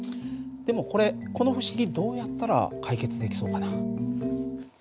でもこれこの不思議どうやったら解決できそうかな？